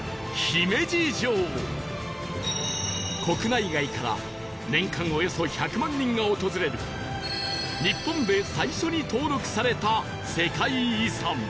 国内外から年間およそ１００万人が訪れる日本で最初に登録された世界遺産